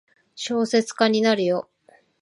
小説家になるよ。